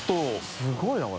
すごいなこれ。